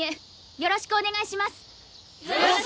よろしくお願いします！